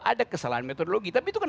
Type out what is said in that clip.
ada kesalahan metodologi tapi itu kan